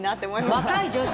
若い女子？